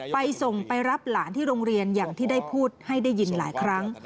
ไปส่งไปรับหลานที่โรงเรียนอย่างที่ได้พูดให้ได้ยินหลายครั้ง